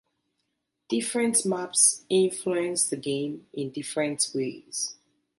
Different maps influence the game in different ways.